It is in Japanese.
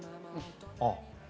ああ。